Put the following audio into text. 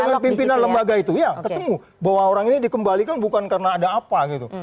kalau pimpinan lembaga itu ya ketemu bahwa orang ini dikembalikan bukan karena ada apa gitu